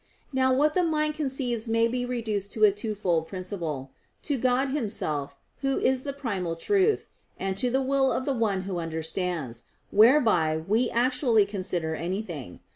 Now what the mind conceives may be reduced to a twofold principle; to God Himself, Who is the primal truth; and to the will of the one who understands, whereby we actually consider anything.